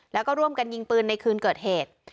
แล้วก็ร่วมกันยิงปืนในคืนเกิดเหตุ